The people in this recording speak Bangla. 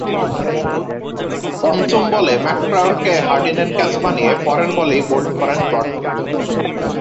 পঞ্চম বলে ম্যাট প্রায়রকে হাডিনের ক্যাচ বানিয়ে পরের বলেই বোল্ড করেন ব্রডকে।